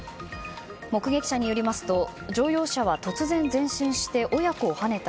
目撃者によりますと乗用車は突然、前進して親子をはねた